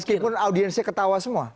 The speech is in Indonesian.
meskipun audiensnya ketawa semua